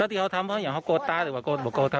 แล้วที่เขาทำเพราะอย่างเขากดตาหรือว่ากดบอกกดทำ